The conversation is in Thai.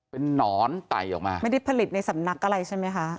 เป็นนอนไต่ออกมาไม่ได้ผลิตในสำนักอะไรใช่ไหมคะ